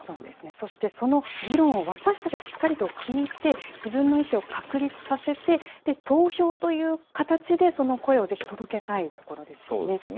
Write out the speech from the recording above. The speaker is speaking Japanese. そしてその議論を私たちはしっかりと聞いて、自分の意思を確立させて、投票という形で、その声をぜひ届けたいところですよね。